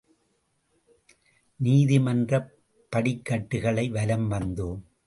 நீதிமன்றப் படிக்கட்டுகளை வலம் வந்தோம்.